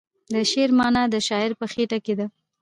د شعر معنی د شاعر په خیټه کې ده.